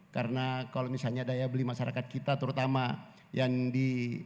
karena kalau misalnya daya beli masyarakat kita terutama yang di